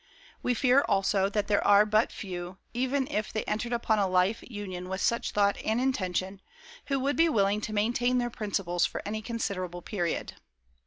We fear, also, that there are but few, even if they entered upon a life union with such thought and intention, who would be willing to maintain their principles for any considerable period.